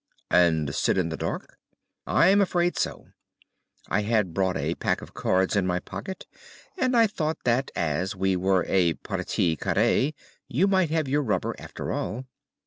"And sit in the dark?" "I am afraid so. I had brought a pack of cards in my pocket, and I thought that, as we were a partie carrée, you might have your rubber after all.